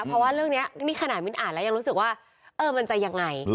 เพราะว่าเรื่องนี้นี่ขนาดมิ้นอ่านแล้วยังรู้สึกว่าเออมันจะยังไง